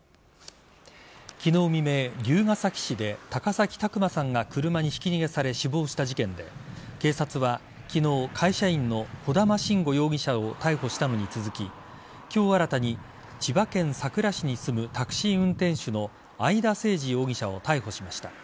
昨日未明、龍ケ崎市で高崎拓磨さんが車にひき逃げされ死亡した事件で警察は昨日会社員の小玉慎悟容疑者を逮捕したのに続き今日新たに千葉県佐倉市に住むタクシー運転手の会田誠司容疑者を逮捕しました。